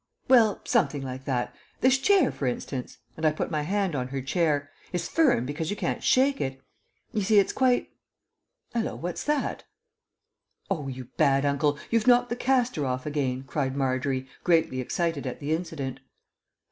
"Well, something like that. This chair, for instance," and I put my hand on her chair, "is firm because you can't shake it. You see, it's quite Hallo, what's that?" "Oh, you bad Uncle, you've knocked the castor off again," cried Margery, greatly excited at the incident.